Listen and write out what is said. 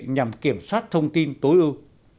nhằm kiểm soát thông tin tối ưu